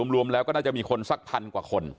รวมแล้วก็น่าจะมีคนสักพันกว่าคน